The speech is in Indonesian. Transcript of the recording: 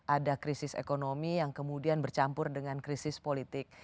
ada krisis ekonomi yang kemudian bercampur dengan krisis politik